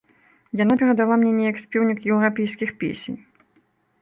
Яна перадала мне неяк спеўнік еўрапейскіх песень.